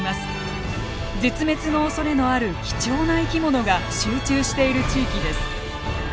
絶滅のおそれのある貴重な生き物が集中している地域です。